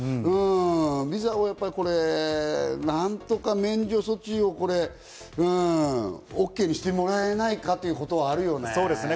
まずはビザの発給が相当、何とか免除措置をＯＫにしてもらえないかっていうことはあるよね。